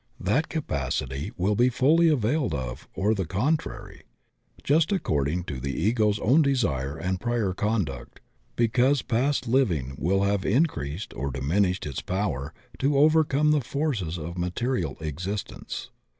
That capacity will be fully availed of or the contrary, just according to the Ego's own desire and prior conduct, because such past liv ing will have increased or diminished its power to overcome the forces of material existence.